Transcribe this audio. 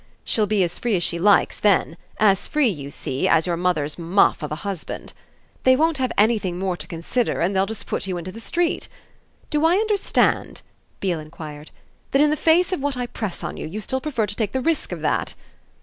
She'll be as free as she likes then as free, you see, as your mother's muff of a husband. They won't have anything more to consider and they'll just put you into the street. Do I understand," Beale enquired, "that, in the face of what I press on you, you still prefer to take the risk of that?"